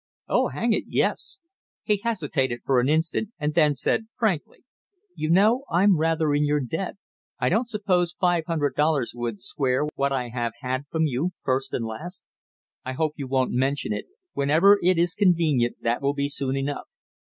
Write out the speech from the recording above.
"Oh, hang it, yes." He hesitated for an instant and then said 'frankly. "You know I'm rather in your debt; I don't suppose five hundred dollars would square what I have had from you first and last." "I hope you won't mention it! Whenever it is quite convenient, that will be soon enough."